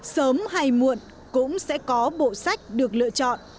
sớm hay muộn cũng sẽ có bộ sách được lựa chọn